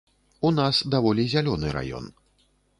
У нас даволі зялёны раён.